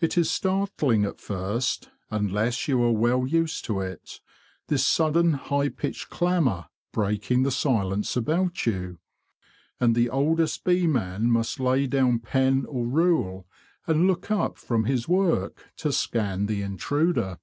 It is startling at first, unless you are well used to it— this sudden high pitched clamour breaking the silence about you; and the oldest bee man must lay down pen or rule, and look up from his work to scan the intruder.